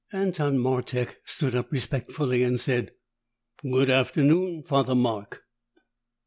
Anton Martek stood up respectfully and said, "Good afternoon, Father Mark."